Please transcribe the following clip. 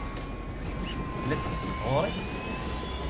La d-tetteddumt ɣer-i?